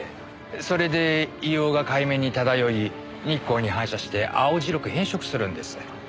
それで硫黄が海面に漂い日光に反射して青白く変色するんです。